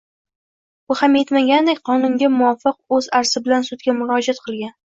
Bu ham yetmagandek qonunga muvofiq o‘z arzi bilan sudga murojaat qilgan